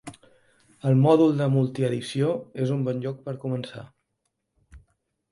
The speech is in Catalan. El mòdul de multi-edició és un bon lloc per començar.